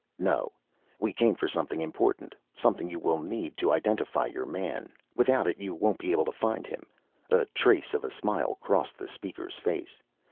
"No. We came for something important. Something you will need to identify your man. Without it you won't be able to find him." A trace of a smile crossed the Speaker's face.